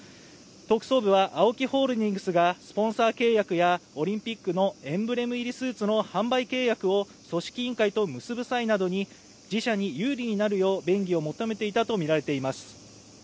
特捜部は、ＡＯＫＩホールディングスがスポンサー契約やオリンピックのエンブレム入りのスーツの販売契約を組織委員会と結ぶ際に自社に有利になるよう便宜を求めていたとみられています。